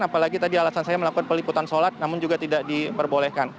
apalagi tadi alasan saya melakukan peliputan sholat namun juga tidak diperbolehkan